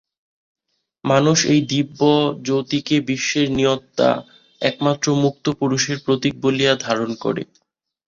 মানুষ এই দিব্যজ্যোতিকে বিশ্বের নিয়ন্তা, একমাত্র মুক্ত পুরুষের প্রতীক বলিয়া ধারণা করে।